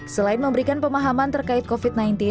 selain memberikan pemahaman terkait covid sembilan belas